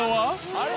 あれ？